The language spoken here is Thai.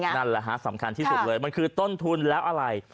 นั่นแหละฮะสำคัญที่สุดเลยมันคือต้นทุนแล้วอะไร